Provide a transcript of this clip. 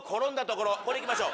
これ行きましょう。